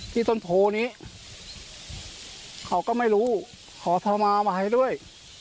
ที่ต้นโพนี้เขาก็ไม่รู้ขอทรมามาให้ด้วย